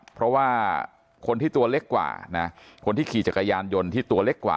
เพราะว่าคนที่ตัวเล็กกว่านะคนที่ขี่จักรยานยนต์ที่ตัวเล็กกว่า